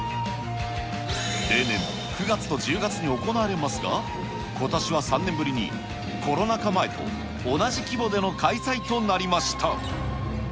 例年、９月と１０月に行われますが、ことしは３年ぶりに、コロナ禍前と同じ規模での開催となりました。